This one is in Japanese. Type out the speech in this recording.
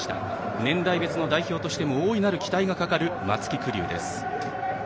年代別の代表としても大きな期待がかかる松木玖生です。